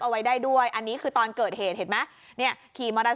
เอาไว้ได้ด้วยอันนี้คือตอนเกิดเหตุเห็นไหมเนี่ยขี่มอเตอร์ไซ